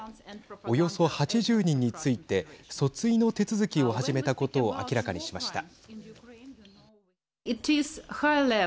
およそ８０人について訴追の手続きを始めたことを明らかにしました。